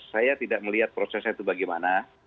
saya tidak melihat prosesnya itu bagaimana